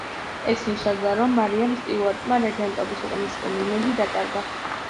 ეს ნიშნავდა, რომ მარიამ სტიუარტმა რეგენტობის უკანასკნელი იმედი დაკარგა.